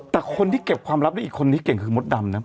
แต่คนที่เก็บความลับได้อีกคนนี้เก่งคือมดดำนะ